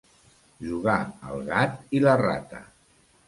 Jugar al gat i la rata.